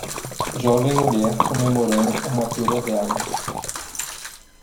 Jovem mulher comemorando a formatura dela.